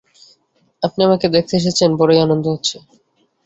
আপনি আমাকে দেখতে এসেছেন, বড়ই আনন্দ হচ্ছে।